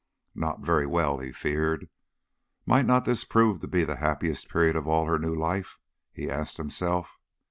Not very well, he feared. Might not this prove to be the happiest period of all her new life, he asked himself.